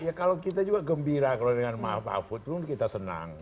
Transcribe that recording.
ya kalau kita juga gembira kalau dengan mahfud kita senang